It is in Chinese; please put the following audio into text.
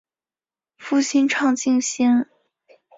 父亲畅敬先。